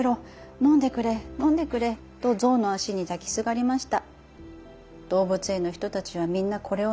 のんでくれ、のんでくれ。』と、ぞうのあしにだきすがりました」。